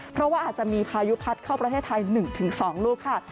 เพราะว่าอาจจะมีพายุพัดเข้าประเทศไทย๑๒ลูกค่ะ